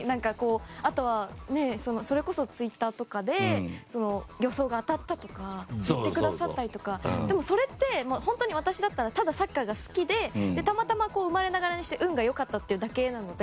あと、それこそツイッターとかで予想が当たったとか言ってくださったりとかでも、それって、本当に私だったらただサッカーが好きでたまたま生まれながらにして運が良かったというだけなので。